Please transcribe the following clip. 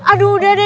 aduh udah deh